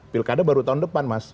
pilkada baru tahun depan mas